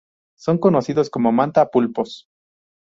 Son conocidos como Manta, Pulpos...